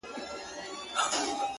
شعرونه نور ورته هيڅ مه ليكه _